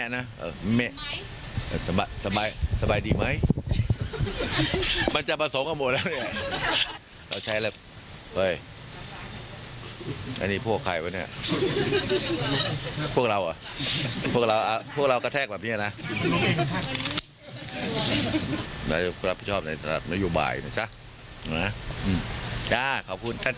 เฮ้ยอันนี้พวกใครพะเนี่ยพวกเราเพื่อนเรากระแทกแบบนี้นะ